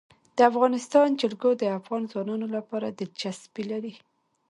د افغانستان جلکو د افغان ځوانانو لپاره دلچسپي لري.